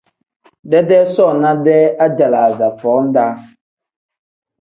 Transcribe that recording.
Deedee soona-dee ajalaaza foo -daa.